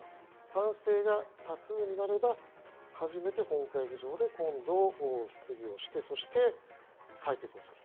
賛成が多数になれば初めて本会議場で今度質疑をしてそして、採決をすると。